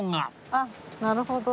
あっなるほど。